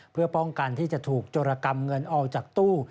เพื่อป้องกันที่จะถูกโจรกรรมเงินออกจากตู้